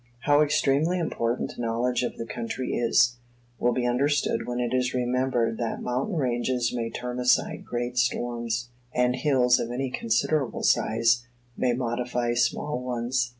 How extremely important a knowledge of the country is, will be understood when it is remembered that mountain ranges may turn aside great storms, and hills of any considerable size may modify small ones.